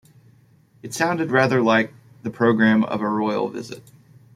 It sounded rather like the programme of a Royal visit.